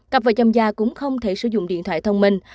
cặp vợ chồng già cũng không thể sử dụng điện thoại thông minh